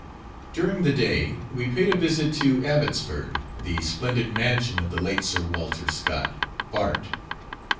During the day, we paid a visit to Abbotsford, the splendid mansion of the late Sir Walter Scott, Bart.